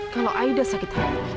kalau aida sakit hati